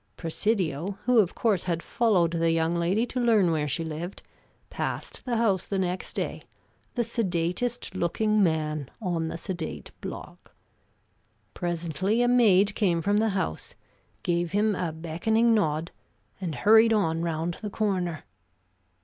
Presidio, who, of course, had followed the young lady to learn where she lived, passed the house the next day, the sedatest looking man on the sedate block. Presently a maid came from the house, gave him a beckoning nod, and hurried on round the corner.